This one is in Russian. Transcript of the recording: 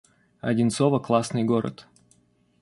Одинцово — классный город